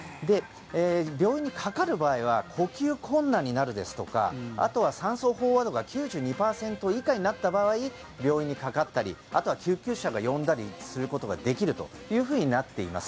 病院にかかる場合は呼吸困難になるですとかあとは酸素飽和度が９２％以下になった場合に病院にかかったりあとは救急車を呼んだりすることができるとなっています。